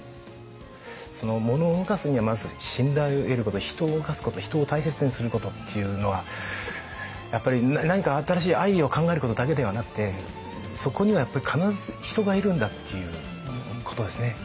物を動かすにはまず信頼を得ること人を動かすこと人を大切にすることっていうのはやっぱり何か新しいアイデアを考えることだけではなくてそこにはやっぱり必ず人がいるんだっていうことですね。